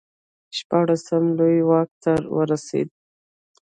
شپاړسم لویي واک ته ورسېد.